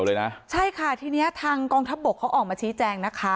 โอ้โหทีนี้ทางกองทับบกเค้าออกมาชี้แจ้งนะคะ